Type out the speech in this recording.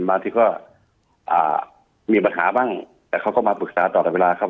บางทีก็อ่ามีปัญหาบ้างแต่เขาก็มาปรึกษาตลอดเวลาครับ